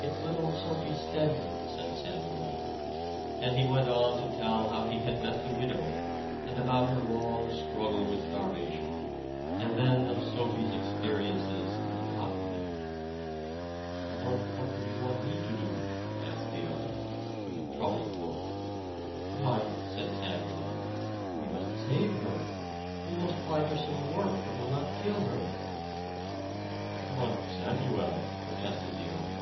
"It's little Sophie Stedman," said Samuel; and he went on to tell how he had met the widow, and about her long struggle with starvation, and then of Sophie's experiences in the cotton mill. "But what do you want me to do?" asked the other, with a troubled look. "Why," said Samuel, "we must save her. We must find her some work that will not kill her." "But, Samuel!" protested the other.